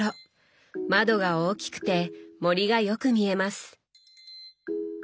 窓が大きくて森がよく見えます。